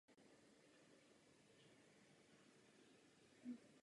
Poté se sem již nikdy nevrátil.